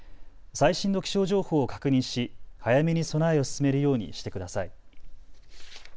最新の気象情報を確認し早めに備えを進めるようにしてください。